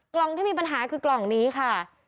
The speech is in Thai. ที่มีปัญหาคือกล่องนี้ค่ะ